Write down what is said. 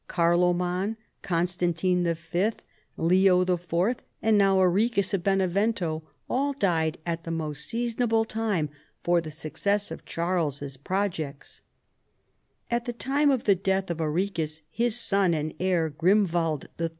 Carloman, Con stantine V., LeoIY., and now Arichis of Benevento, all died at the most seasonable time for the success of Charles's projects. At the time of the death of Arichis, his son and heir Grimwald III.